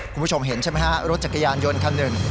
คุณผู้ชมเห็นใช่ไหมฮะรถจักรยานยนต์คันหนึ่ง